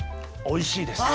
おいしいです。